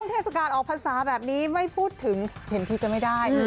เทศกาลออกพรรษาแบบนี้ไม่พูดถึงเห็นพี่จะไม่ได้